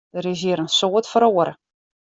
Der is hjir in soad feroare.